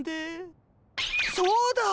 そうだ！